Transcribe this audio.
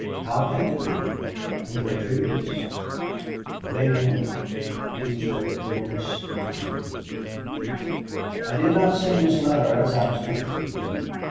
How can it be, with her treaties! "DINANT, Tuesday, August 3. "I did not send this letter as I expected to.